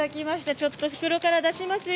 ちょっと袋から出しますよ。